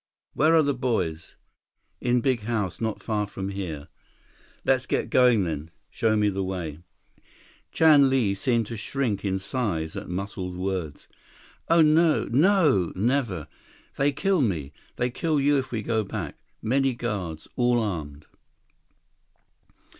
Where are the boys?" "In big house, not far from here." "Let's get going then. Show me the way." Chan Li seemed to shrink in size at Muscles' words. "Oh, no! No! Never. They kill me. They kill you if we go back. Many guards. All armed."